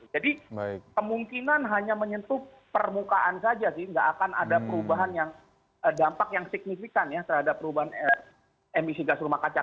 jadi kemungkinan hanya menyentuh permukaan saja tidak akan ada perubahan yang dampak yang signifikan terhadap perubahan emisi gas rumah kaca